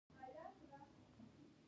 زه هم تاسي رانيسم او له اوره مو راگرځوم